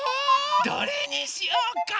どれにしようか？